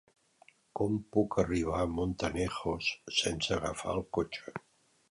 Com puc arribar a Montanejos sense agafar el cotxe?